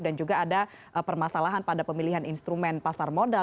dan juga ada permasalahan pada pemilihan instrumen pasar modal